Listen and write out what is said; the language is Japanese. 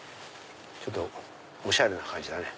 ちょっとおしゃれな感じだね。